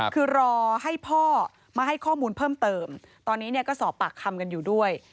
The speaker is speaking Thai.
คือรอให้พ่อมาให้ข้อมูลเพิ่มเติมตอนนี้ก็สอบปากคำกันอยู่ด้วย